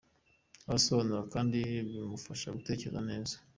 Asobanura kandi ko bimufasha gutekereza neza.